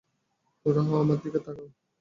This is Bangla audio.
নোরাহ, আমার দিকে তাকাও।